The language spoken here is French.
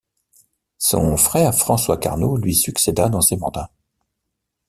Son frère François Carnot lui succéda dans ses mandats.